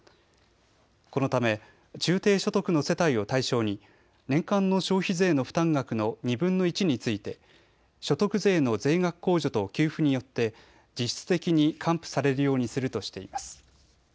このため中・低所得の世帯を対象に年間の消費税の負担額の２分の１について所得税の税額控除と給付によって実質的に還付されるようにするとしています。